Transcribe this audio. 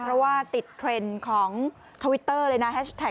เพราะว่าติดเทรนด์ของทวิตเตอร์เลยนะแฮชแท็